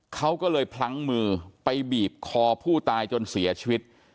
เขาก็เลยพลั้งมือไปบีบคอผู้ตายจนเสียชีวิต